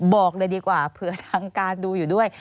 บอกเลยดีกว่าเผื่อทางการดูอยู่ด้วย